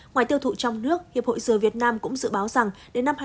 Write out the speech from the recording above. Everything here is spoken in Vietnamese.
ngoài tiêu thụ trong nước hiệp hội dừa việt nam cũng dự báo rằng đến năm hai nghìn hai mươi